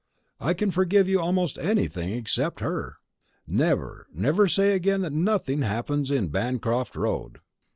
I can forgive you almost anything except her! Never, never say again that nothing happens in Bancroft Road!